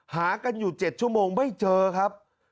หากันอยู่๗ชั่วโมงไม่เจอครับ